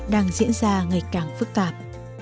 đang diễn ra ngày càng phức tạp